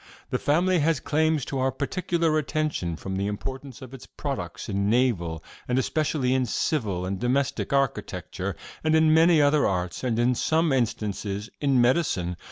'This family has claims to our particular attention from the importance of its products in naval, and especially in civil and domestic, architecture, and in many other arts, and, in some instances, in medicine.